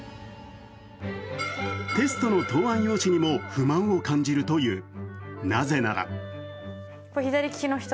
テストの答案用紙にも不満を感じるという。